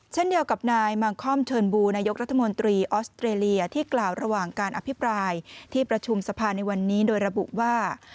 เช่นเดียวกับนายมางคอมเชิญบูนายกรัฐมนตรีออสเตรเลียที่กล่าวระหว่างการอภิปรายที่ประชุมสภาในวันนี้โดยระบุว่า